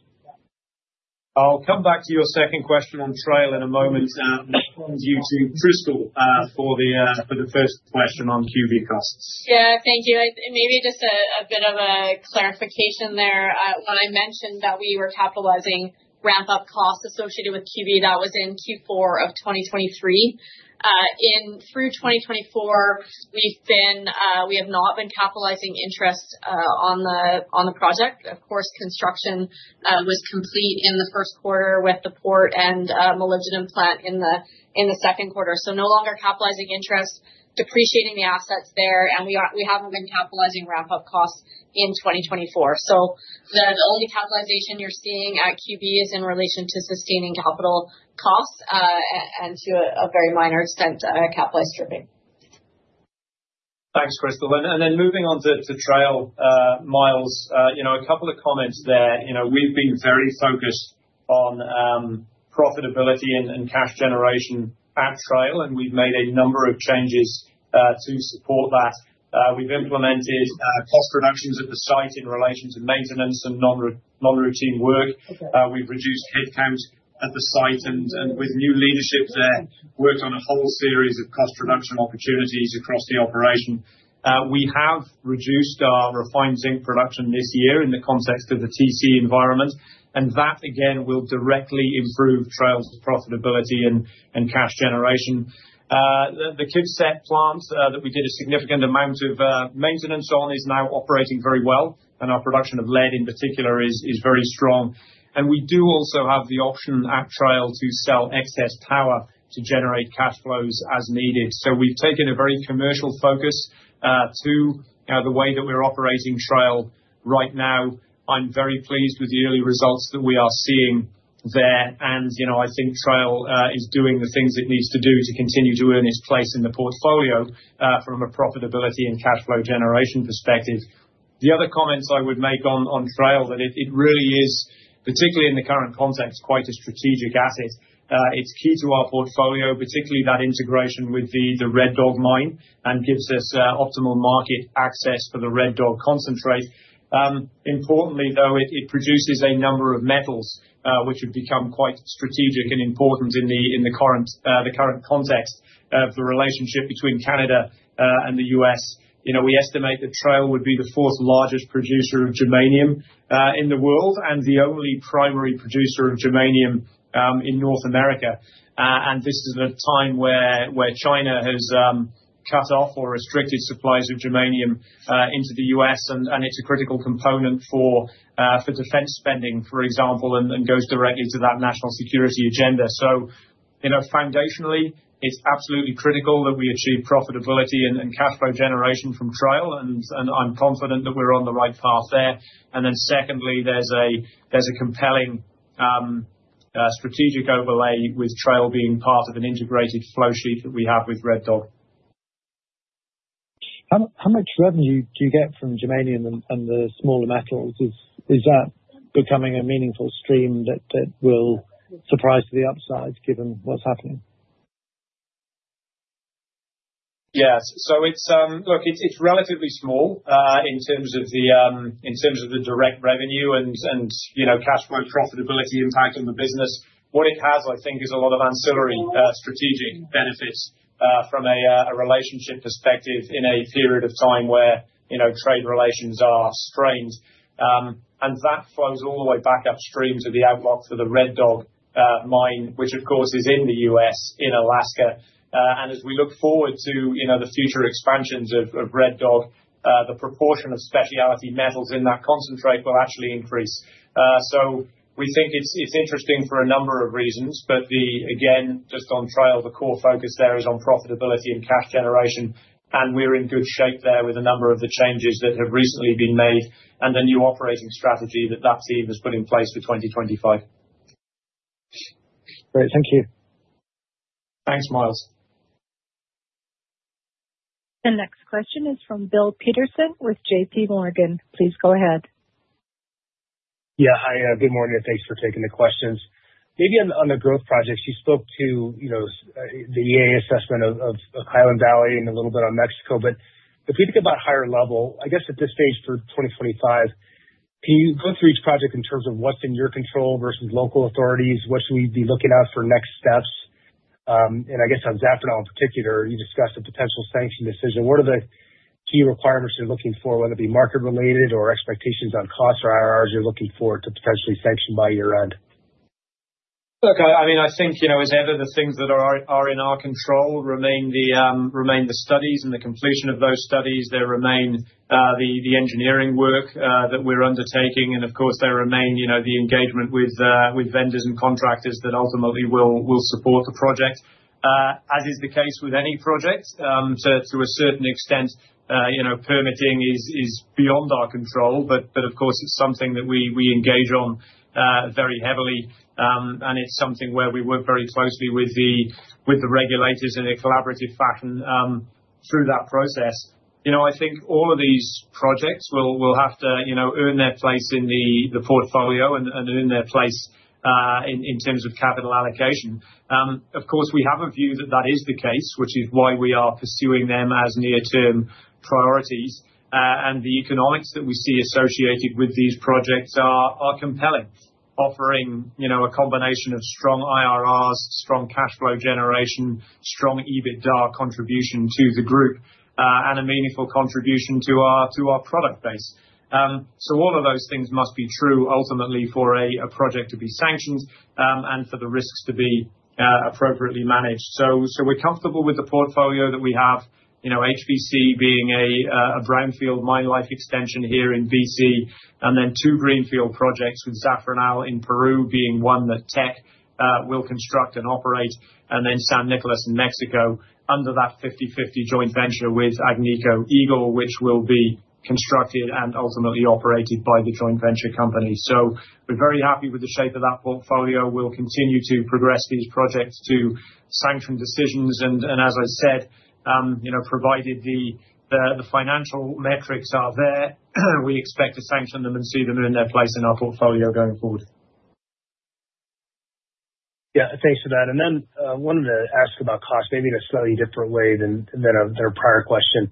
I'll come back to your second question on Trail in a moment. I'll turn you to Crystal for the first question on QB costs. Yeah. Thank you. Maybe just a bit of a clarification there. When I mentioned that we were capitalizing ramp-up costs associated with QB, that was in Q4 of 2023. Through 2024, we have not been capitalizing interest on the project. Of course, construction was complete in the first quarter with the port and molybdenum plant in the second quarter. So no longer capitalizing interest, depreciating the assets there, and we haven't been capitalizing ramp-up costs in 2024. So the only capitalization you're seeing at QB is in relation to sustaining capital costs and to a very minor extent, capitalized stripping. Thanks, Crystal. Then moving on to Trail, Myles, a couple of comments there. We've been very focused on profitability and cash generation at Trail, and we've made a number of changes to support that. We've implemented cost reductions at the site in relation to maintenance and non-routine work. We've reduced headcount at the site and, with new leadership there, worked on a whole series of cost reduction opportunities across the operation. We have reduced our refined zinc production this year in the context of the TC environment, and that, again, will directly improve Trail's profitability and cash generation. The KIVCET plant that we did a significant amount of maintenance on is now operating very well, and our production of lead, in particular, is very strong. We do also have the option at Trail to sell excess power to generate cash flows as needed. So we've taken a very commercial focus to the way that we're operating Trail right now. I'm very pleased with the early results that we are seeing there, and I think Trail is doing the things it needs to do to continue to earn its place in the portfolio from a profitability and cash flow generation perspective. The other comments I would make on Trail that it really is, particularly in the current context, quite a strategic asset. It's key to our portfolio, particularly that integration with the Red Dog mine and gives us optimal market access for the Red Dog concentrate. Importantly, though, it produces a number of metals, which have become quite strategic and important in the current context of the relationship between Canada and the U.S. We estimate that Trail would be the fourth largest producer of germanium in the world and the only primary producer of germanium in North America. And this is a time where China has cut off or restricted supplies of germanium into the U.S., and it's a critical component for defense spending, for example, and goes directly to that national security agenda. So foundationally, it's absolutely critical that we achieve profitability and cash flow generation from Trail, and I'm confident that we're on the right path there. And then secondly, there's a compelling strategic overlay with Trail being part of an integrated flowsheet that we have with Red Dog. How much revenue do you get from germanium and the smaller metals? Is that becoming a meaningful stream that will surprise to the upside given what's happening? Yes. So look, it's relatively small in terms of the direct revenue and cash flow profitability impact on the business. What it has, I think, is a lot of ancillary strategic benefits from a relationship perspective in a period of time where trade relations are strained. And that flows all the way back upstream to the outlook for the Red Dog mine, which, of course, is in the U.S. in Alaska. And as we look forward to the future expansions of Red Dog, the proportion of specialty metals in that concentrate will actually increase. So we think it's interesting for a number of reasons, but again, just on Trail, the core focus there is on profitability and cash generation, and we're in good shape there with a number of the changes that have recently been made and the new operating strategy that that team has put in place for 2025. Great. Thank you. Thanks, Myles. The next question is from Bill Peterson with J.P. Morgan. Please go ahead. Yeah. Hi. Good morning, and thanks for taking the questions. Maybe on the growth projects, you spoke to the EA assessment of Highland Valley and a little bit on Mexico, but if we think about higher level, I guess at this stage for 2025, can you go through each project in terms of what's in your control versus local authorities? What should we be looking out for next steps? And I guess on Zafranal in particular, you discussed a potential sanction decision. What are the key requirements you're looking for, whether it be market-related or expectations on costs or IRRs you're looking for to potentially sanction by year-end? Look, I mean, I think as ever, the things that are in our control remain the studies and the completion of those studies. There remain the engineering work that we're undertaking, and of course, there remain the engagement with vendors and contractors that ultimately will support the project, as is the case with any project. To a certain extent, permitting is beyond our control, but of course, it's something that we engage on very heavily, and it's something where we work very closely with the regulators in a collaborative fashion through that process. I think all of these projects will have to earn their place in the portfolio and earn their place in terms of capital allocation. Of course, we have a view that that is the case, which is why we are pursuing them as near-term priorities, and the economics that we see associated with these projects are compelling, offering a combination of strong IRRs, strong cash flow generation, strong EBITDA contribution to the group, and a meaningful contribution to our product base. So all of those things must be true ultimately for a project to be sanctioned and for the risks to be appropriately managed. So we're comfortable with the portfolio that we have, HVC being a brownfield Mine Life Extension here in BC, and then two greenfield projects with Zafranal in Peru being one that Teck will construct and operate, and then San Nicolás in Mexico under that 50/50 joint venture with Agnico Eagle, which will be constructed and ultimately operated by the joint venture company. So we're very happy with the shape of that portfolio. We'll continue to progress these projects to sanction decisions, and as I said, provided the financial metrics are there, we expect to sanction them and see them earn their place in our portfolio going forward. Yeah. Thanks for that. And then wanted to ask about costs, maybe in a slightly different way than our prior question.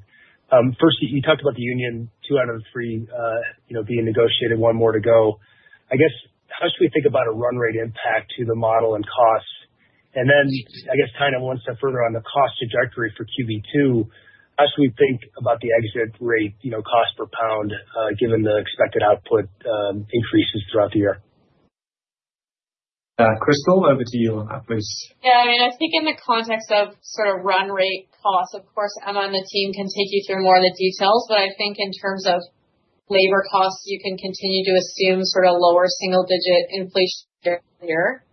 First, you talked about the union, two out of the three being negotiated, one more to go. I guess, how should we think about a run rate impact to the model and costs? And then I guess kind of one step further on the cost trajectory for QB2, how should we think about the exit rate, cost per pound, given the expected output increases throughout the year? Crystal, over to you, please. Yeah. I mean, I think in the context of sort of run rate costs, of course, Emma and the team can take you through more of the details, but I think in terms of labor costs, you can continue to assume sort of lower single-digit inflation here.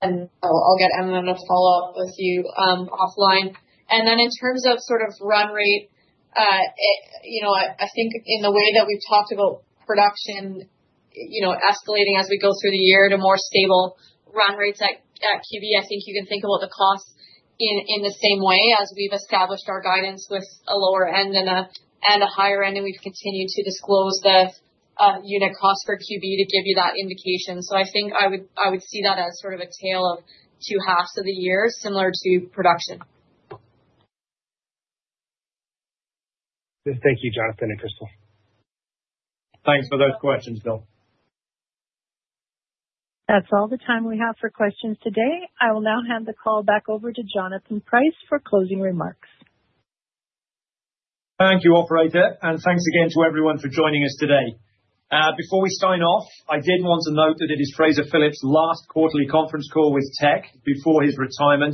And I'll get Emma to follow up with you offline. And then in terms of sort of run rate, I think in the way that we've talked about production escalating as we go through the year to more stable run rates at QB, I think you can think about the costs in the same way as we've established our guidance with a lower end and a higher end, and we've continued to disclose the unit cost for QB to give you that indication. So I think I would see that as sort of a tale of two halves of the year, similar to production. Thank you, Jonathan and Crystal. Thanks for those questions, Bill. That's all the time we have for questions today. I will now hand the call back over to Jonathan Price for closing remarks. Thank you all for it, and thanks again to everyone for joining us today. Before we sign off, I did want to note that it is Fraser Phillips' last quarterly conference call with Teck before his retirement.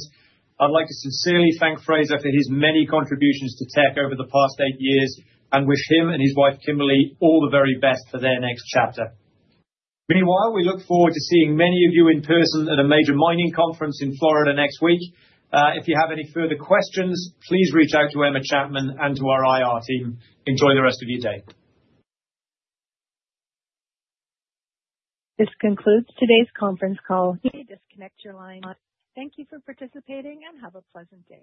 I'd like to sincerely thank Fraser for his many contributions to Teck over the past eight years and wish him and his wife, Kimberly, all the very best for their next chapter. Meanwhile, we look forward to seeing many of you in person at a major mining conference in Florida next week. If you have any further questions, please reach out to Emma Chapman and to our IR team. Enjoy the rest of your day. This concludes today's conference call. Please disconnect your line. Thank you for participating and have a pleasant day.